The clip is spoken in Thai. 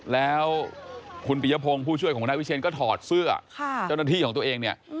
แล้วคุณปิยพงศ์ผู้ช่วยของนายวิเชียนก็ถอดเสื้อเจ้าหน้าที่ของตัวเองเนี่ย